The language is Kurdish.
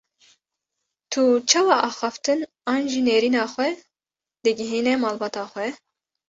Tu çawa axaftin an jî nêrîna xwe digihîne malbata xwe?